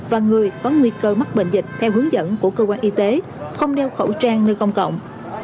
và người có nguy cơ mắc bệnh dịch theo hướng dẫn của cơ quan y tế không đeo khẩu trang nơi công cộng